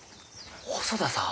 細田さん！